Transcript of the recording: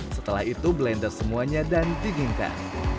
setelah itu blender semuanya dan dinginkan